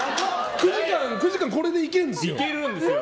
９時間、これでいけるんですよ。